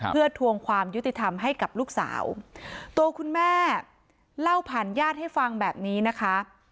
เพื่อทวงความยุติธรรมให้กับลูกสาวตัวคุณแม่เล่าผ่านญาติให้ฟังแบบนี้นะคะ